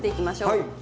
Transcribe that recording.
はい。